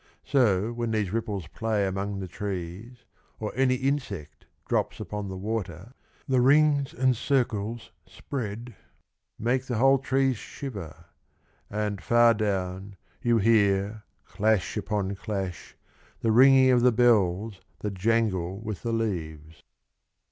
So when these ripples play among the trees Or any insect drops upon the water The rings and circles spread Make the whole trees shiver, And far down you hear Clash upon clash, the ringing Of the bells that jangle with the leaves.